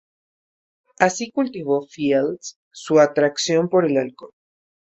Así cultivó Fields su atracción por el alcohol.